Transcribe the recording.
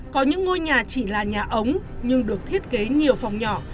có những ngôi nhà chỉ là nhà ống nhưng được thiết kế nhiều phòng nhỏ